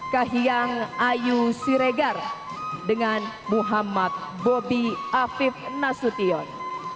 kahiyang ayu siregar dengan muhammad bobi afif nasution